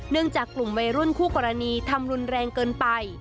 จากกลุ่มวัยรุ่นคู่กรณีทำรุนแรงเกินไป